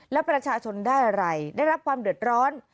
แล้วประชาชนได้อะไรได้รับความเดือดร้อน